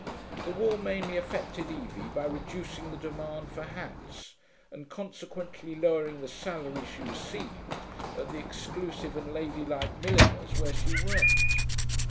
The war mainly affected Evie by reducing the demand for hats, and consequently lowering the salary she received at the exclusive and ladylike milliner's where she worked.